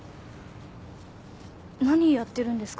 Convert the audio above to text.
何やってるんですか？